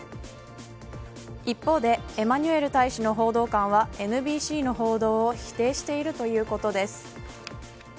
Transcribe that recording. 一方でエマニュエル大使の報道官はＮＢＣの報道を否定しているということです。